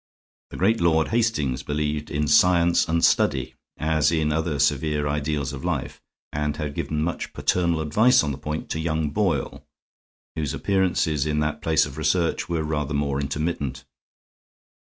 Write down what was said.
The great Lord Hastings believed in science and study, as in other severe ideals of life, and had given much paternal advice on the point to young Boyle, whose appearances in that place of research were rather more intermittent.